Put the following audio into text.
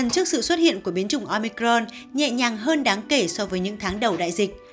những người dân trước sự xuất hiện của biến chủng omicron nhẹ nhàng hơn đáng kể so với những tháng đầu đại dịch